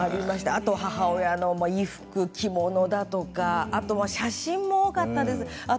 あと母親の衣服や着物だとかあと写真も多かったです。